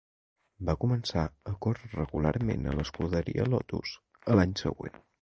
Va començar a córrer regularment a l'escuderia Lotus a l'any següent.